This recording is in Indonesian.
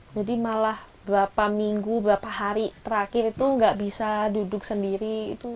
jadi malah beberapa minggu beberapa hari terakhir itu gak bisa duduk sendiri